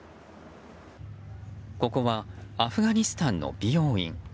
ここはアフガニスタンの美容院。